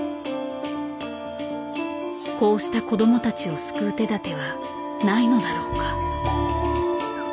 こうした子どもたちを救う手だてはないのだろうか。